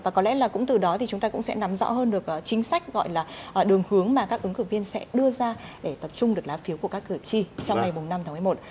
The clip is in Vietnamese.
và có lẽ là cũng từ đó thì chúng ta cũng sẽ nắm rõ hơn được chính sách gọi là đường hướng mà các ứng cử viên sẽ đưa ra để tập trung được lá phiếu của các cử tri trong ngày năm tháng một mươi một